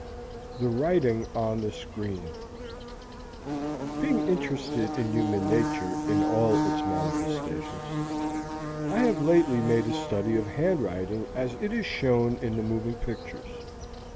THE WRITING ON THE SCREEN Being interested in human nature in all its manifestations, I have lately made a study of handwriting as it is shown in the moving pictures.